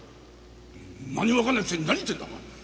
なんにもわかんないくせに何言ってんだお前。